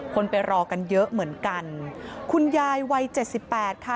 คนไปรอกันเยอะเหมือนกันคุณยายวัยเจ็ดสิบแปดค่ะ